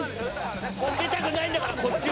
ボケたくないんだからこっちは。